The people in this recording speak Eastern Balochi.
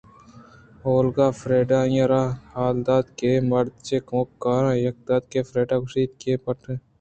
اولگاءَ آئی ءَ را حال دات کہ اے مرد چہ کمکاراں یکے اَت کہ فریڈا ءِگوٛشگءَ آئی ءِ پٹگ ءُ لوٹگ ءَ اَت